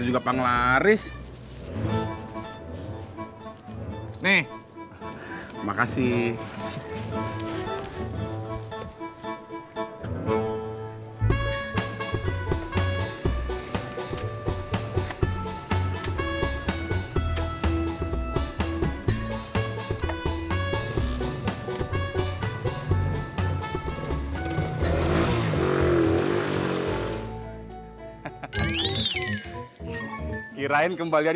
terus adiv eine gelar ga kebuka malin